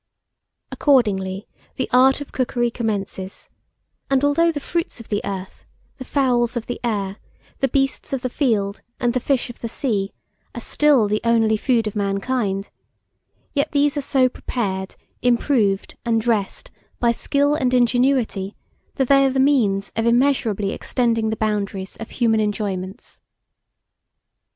Accordingly, the art of cookery commences; and although the fruits of the earth, the fowls of the air, the beasts of the field, and the fish of the sea, are still the only food of mankind, yet these are so prepared, improved, and dressed by skill and ingenuity, that they are the means of immeasurably extending the boundaries of human enjoyments.